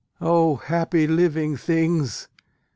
O happy living things!